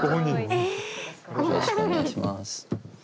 よろしくお願いします。